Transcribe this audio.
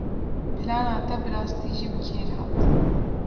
Plana te bi rastî jî bi kêr hat.